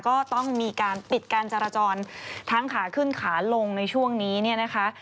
ก็ต้องมีการปิดการจราจรทั้งขาขึ้นขาลงในช่วงนี้เนี่ยนะคะ